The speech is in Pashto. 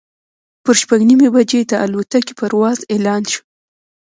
پر شپږ نیمې بجې د الوتکې پرواز اعلان شو.